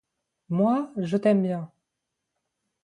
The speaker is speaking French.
Moi, je t'aime bien.